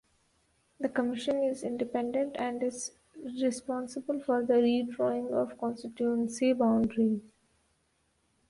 The commission is independent and is responsible for the redrawing of constituency boundaries.